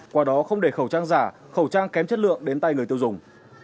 qua đó không để khẩu trang giả khẩu trang kém chất lượng đến tay người tiêu dùng